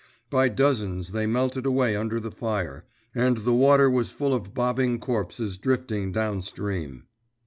By dozens they melted away under the fire, and the water was full of bobbing corpses drifting downstream.